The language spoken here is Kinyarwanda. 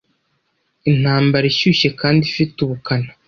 Intambara ishyushye kandi ifite ubukana